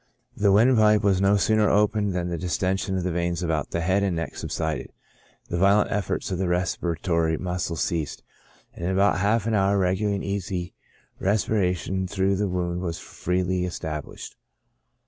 The wind pipe was no sooner opened, than the distention of the veins about the head and neck subsided, the violent efforts of the respiratory muscles ceased, and in about half an hour regular and easy respiration through the wound was freely established.